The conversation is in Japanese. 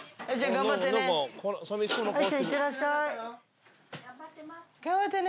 頑張ってね！